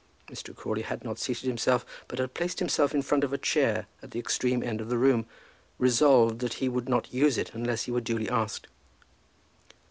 Mr. Crawley had not seated himself, but had placed himself in front of a chair at the extreme end of the room, resolved that he would not use it unless he were duly asked.